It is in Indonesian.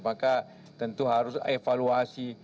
maka tentu harus evaluasi